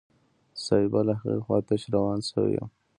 صايبه له هغې خوا تش روان سوى يم.